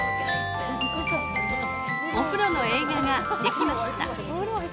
お風呂の映画ができました。